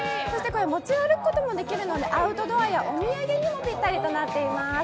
持ち歩くこともできるので、アウトドアやお土産にもぴったりとなっています。